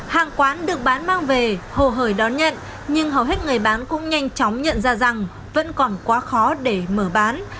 hàng quán được bán mang về hồ hởi đón nhận nhưng hầu hết người bán cũng nhanh chóng nhận ra rằng vẫn còn quá khó để mở bán